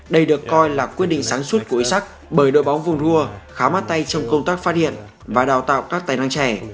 đây được coi là quyết định sáng suốt của isak bởi đội bóng voulua khá mát tay trong công tác phát hiện và đào tạo các tài năng trẻ